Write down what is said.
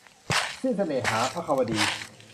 สิ้นเสน่หา - ภควดี